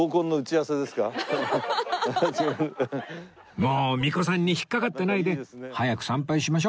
もう巫女さんに引っかかってないで早く参拝しましょ